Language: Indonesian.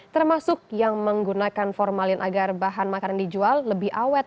termasuk yang menggunakan formalin agar bahan makanan dijual lebih awet